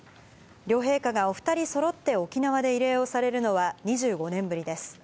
両陛下がお２人そろって沖縄で慰霊をされるのは、２５年ぶりです。